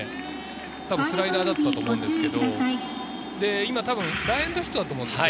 スライダーだったと思うんですけれど、ランエンドヒットだったと思うんです。